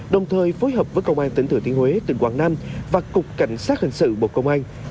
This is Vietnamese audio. đồng thời phối hợp với công an tỉnh thừa thiên huế tỉnh quảng nam và cục cảnh sát hình sự bộ công an